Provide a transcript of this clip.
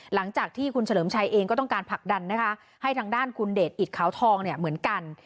หลังจากที่คุณเฉลิมชัยเองก็ต้องการผลักดันนะคะให้ทางด้านคุณเดชอิตขาวทองเนี่ยเหมือนกัน